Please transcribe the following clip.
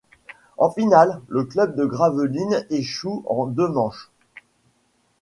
En finale le club de Gravelines échoue en deux manches.